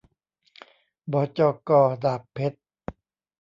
บจก.ดาบเพ็ชร์